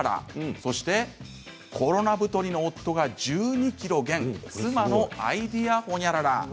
そしてコロナ太りの夫が１２ｋｇ減妻のアイデアほにゃらら。